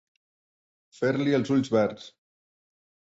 Fer-li els ulls verds.